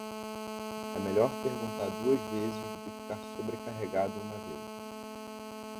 É melhor perguntar duas vezes do que ficar sobrecarregado uma vez.